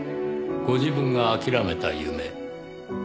ご自分が諦めた夢。